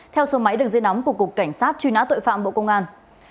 theo số máy đường dưới nắm của cục cảnh sát truy nã tội phạm bộ công an